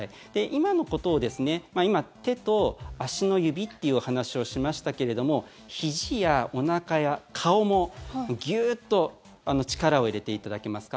今のことを、今手と足の指という話をしましたがひじやおなかや顔もギューッと力を入れていただけますか？